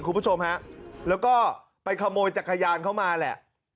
คุณผู้ชมฮะแล้วก็ไปขโมยจักรยานเข้ามาแหละ